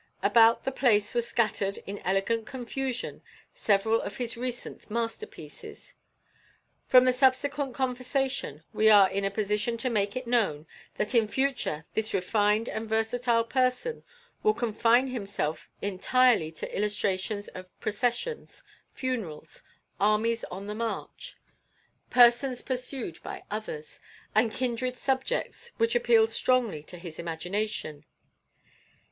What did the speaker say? About the place were scattered in elegant confusion several of his recent masterpieces. From the subsequent conversation we are in a position to make it known that in future this refined and versatile person will confine himself entirely to illustrations of processions, funerals, armies on the march, persons pursued by others, and kindred subjects which appeal strongly to his imagination.